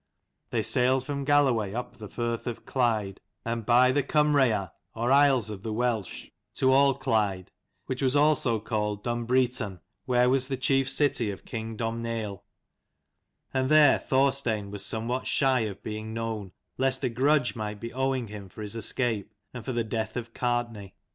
They sailed from Galloway up the firth of Clyde, and by the Kumreyar or Isles of the Welsh, to Alclyde, which was also called Dun breton, where was the chief city of king Domhnaill : and there Thorstein was somewhat shy of being known lest a grudge might be owing him for his escape and for the death of Gartnaidh.